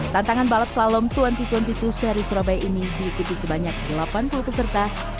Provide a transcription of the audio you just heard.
tantangan balap slalom dua ribu dua puluh dua seri surabaya ini diikuti sebanyak delapan puluh peserta